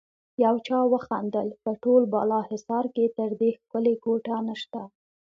يو چا وخندل: په ټول بالاحصار کې تر دې ښکلی کوټه نشته.